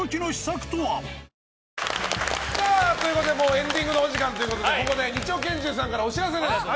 エンディングのお時間ということでここで２丁拳銃さんからお知らせです。